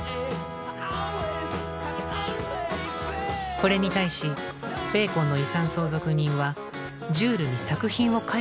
これに対しベーコンの遺産相続人はジュールに作品を返すよう求めました。